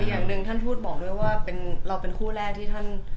อย่างหนึ่งท่านทูตบอกด้วยว่าเราเป็นคู่แรกที่ท่าน